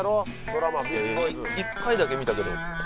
１回だけ見たけど。